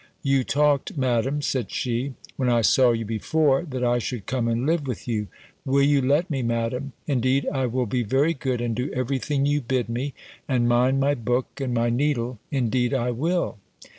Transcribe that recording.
"You talked, Madam," said she, "when I saw you before, that I should come and live with you Will you let me, Madam? Indeed I will be very good, and do every thing you bid me, and mind my book, and my needle; indeed I will."